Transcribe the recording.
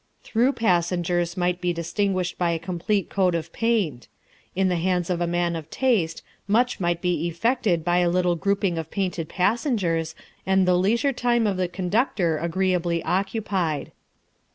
Through passengers might be distinguished by a complete coat of paint. In the hands of a man of taste, much might be effected by a little grouping of painted passengers and the leisure time of the conductor agreeably occupied.